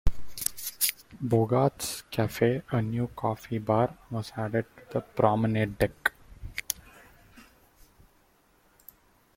"Bogart's Cafe", a new coffee bar, was added to the Promenade Deck.